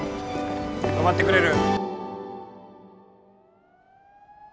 止まってくれる？